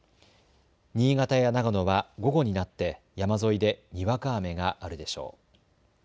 新潟や長野は午後になって山沿いでにわか雨があるでしょう。